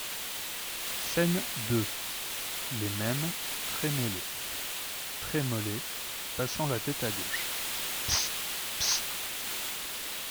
Scène deux Les mêmes, Trémollet Trémollet, passant la tête à gauche. — Psitt ! psitt…